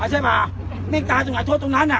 เฮ้ยใช่ป่ะนี่ตายจะไงโทษตรงนั้นอ่ะ